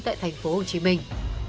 tại thành phố hồ chí minh